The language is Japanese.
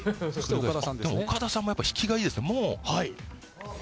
岡田さんも引きがいいですね。